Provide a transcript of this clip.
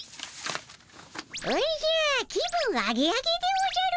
おじゃ気分アゲアゲでおじゃる。